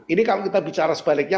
ini kalau kita bicara sebaliknya